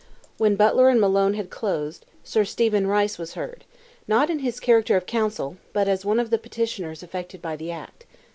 When Butler and Malone had closed, Sir Stephen Rice was heard, not in his character of council, but as one of the petitioners affected by the act.